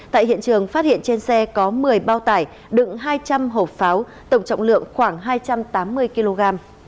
tại hiện trường phát hiện trên xe có một mươi bao tải đựng hai trăm linh hộp pháo tổng trọng lượng khoảng hai trăm tám mươi kg